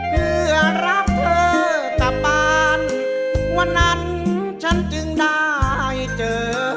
เพื่อรักเธอกับปานวันนั้นฉันจึงได้เจอ